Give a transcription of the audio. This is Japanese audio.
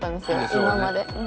今まで。